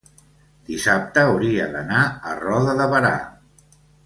dissabte hauria d'anar a Roda de Berà.